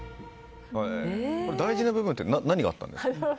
大事な部分って何があったんですか？